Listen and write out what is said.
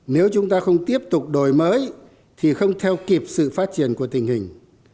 nếu chúng ta không tiếp tục đổi mới thì không theo kịp sự phát triển của tình hình